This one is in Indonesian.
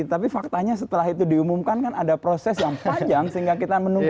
tapi faktanya setelah itu diumumkan kan ada proses yang panjang sehingga kita menunggu